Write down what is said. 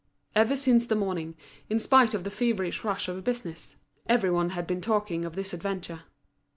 Ever since the morning, in spite of the feverish rush of business, every one had been talking of this adventure.